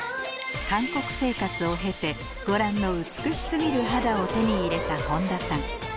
韓国生活を経てご覧の美し過ぎる肌を手に入れた本田さん